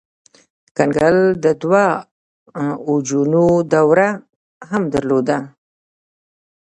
کنګل د دوه اوجونو دوره هم درلوده.